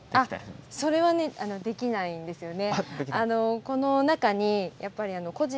それはねできないんですよね。